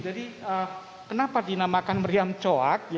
jadi kenapa dinamakan meriam co